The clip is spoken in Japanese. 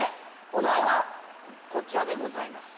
お題はこちらでございます。